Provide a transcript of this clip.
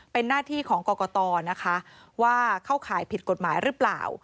เป็นหน้าที่ของกรกตนะคะว่าเข้าข่ายผิดกฎหมายหรือเปล่า